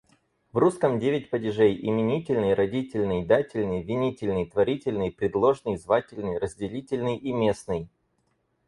В русском девять падежей: именительный, родительный, дательный, винительный, творительный, предложный, звательный, разделительный и местный.